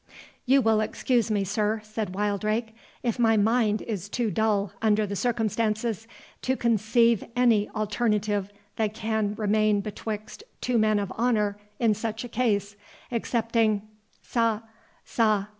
"You will excuse me, sir," said Wildrake, "if my mind is too dull, under the circumstances, to conceive any alternative that can remain betwixt two men of honour in such a case, excepting—sa—sa—."